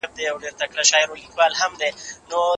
هغوی په جګړو کې د اخلاقو او انساني حقوقو پوره خیال ساته.